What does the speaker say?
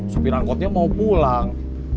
supir angkotnya mau pulang